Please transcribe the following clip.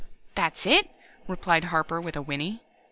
"That's it," replied Harper with a whinny.